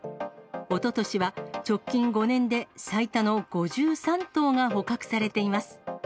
おととしは直近５年で、最多の５３頭が捕獲されています。